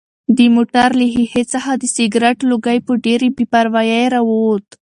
د موټر له ښیښې څخه د سګرټ لوګی په ډېرې بې پروایۍ راووت.